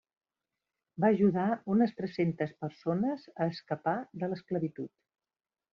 Va ajudar unes tres-centes persones a escapar de l'esclavitud.